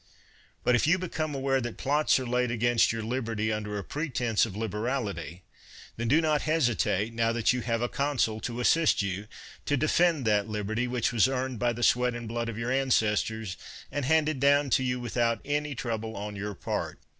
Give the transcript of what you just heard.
But if you become aware that plots are laid against your liberty under a pre tense of liberality, then do not hesitate, now that you have a consul to assist you, to defend that liberty which was earned by the sweat and blood of your ancestors, and handed down to you, without any trouble on your part.